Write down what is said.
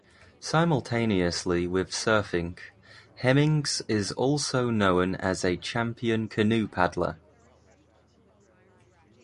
Simultaneously with surfing, Hemmings is also known as a champion canoe paddler.